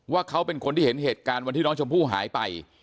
ว่าเขาเป็นคนที่เห็นเหตุการณ์วันที่น้องชมพู่หายไป